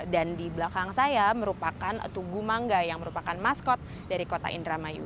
dan di belakang saya merupakan tugu mangga yang merupakan maskot dari kota indramayu